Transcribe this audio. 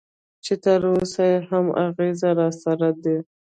چې تراوسه یې هم اغېز راسره دی.